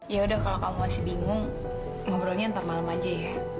ya udah kalau kamu masih bingung ngobrolnya ntar malam aja ya